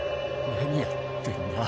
何やってんだ？